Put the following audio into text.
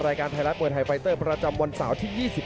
รายการไทยรัฐมวยไทยไฟเตอร์ประจำวันเสาร์ที่๒๑